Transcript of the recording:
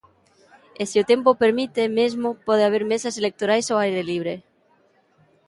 E se o tempo o permite mesmo pode haber mesas electorais ao aire libre.